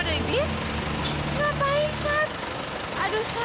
diri kamu yang bayar orang orang untuk model bis